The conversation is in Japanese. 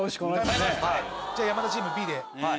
じゃあ山田チームＢで。